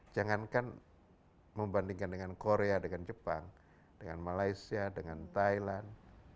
jangankan membandingkan dengan korea dengan jepang dengan malaysia dengan thailand